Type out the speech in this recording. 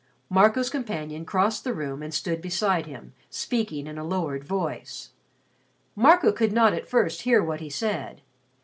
Marco's companion crossed the room and stood beside him, speaking in a lowered voice. Marco could not at first hear what he said.